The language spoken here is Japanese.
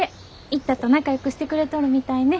一太と仲良くしてくれとるみたいね。